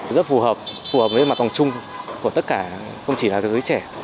rất phù hợp với mặt hoàng chung của tất cả không chỉ là giới trẻ